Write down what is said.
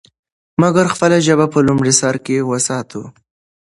مګر خپله ژبه په لومړي سر کې وساتو.